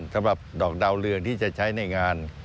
สำหรับดอกดาวเรืองที่จะใช้ในงาน